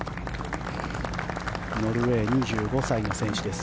ノルウェー、２５歳の選手です。